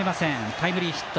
タイムリーヒット。